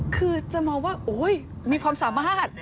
คือจะมองว่าโอ๊ยมีความสามารถ